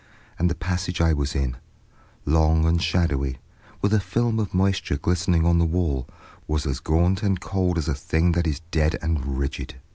And the passage I was in, long and shadowy, with a film of moisture glistening on the wall, was as gaunt and cold as a thing that is dead and rigid.